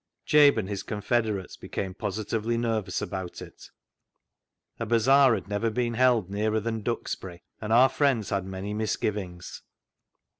Jabe and his confederates became positively nervous about it. A bazaar had never been held nearer than Duxbury, and our friends had many misgivings.